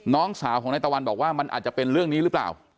น้องสาวของนายตะวันบอกว่ามันอาจจะเป็นเรื่องนี้หรือเปล่า